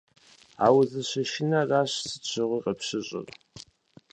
А узыщышынэращ сыт щыгъуи къыпщыщӀыр.